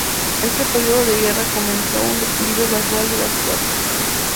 Este periodo de guerra comenzó un declive gradual de la ciudad.